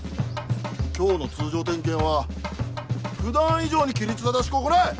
今日の通常点検は普段以上に規律正しく行え！